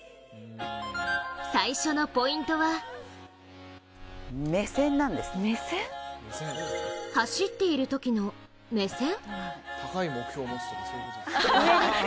最初のポイントは走っているときの目線？